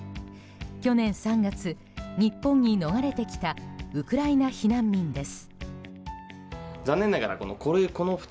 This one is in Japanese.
去年３月、日本に逃れてきたウクライナ避難民です。